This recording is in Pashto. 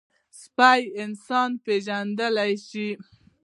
سپي انسان پېژندلی شي.